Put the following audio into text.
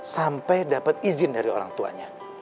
sampai dapat izin dari orang tuanya